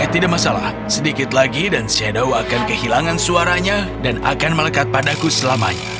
tidak masalah sedikit lagi dan shadow akan kehilangan suaranya dan akan melekat padaku selamanya